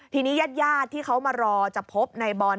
ทีนี้ญาติที่เขามารอจะพบในบอล